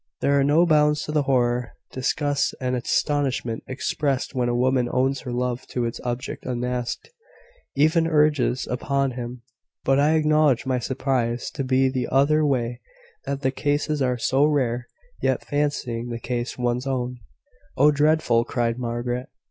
There are no bounds to the horror, disgust, and astonishment expressed when a woman owns her love to its object unasked even urges it upon him; but I acknowledge my surprise to be the other way that the cases are so rare. Yet, fancying the case one's own " "Oh, dreadful!" cried Margaret.